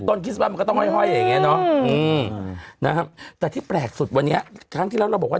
คริสต์มันก็ต้องห้อยอย่างเงี้เนอะนะครับแต่ที่แปลกสุดวันนี้ครั้งที่แล้วเราบอกว่า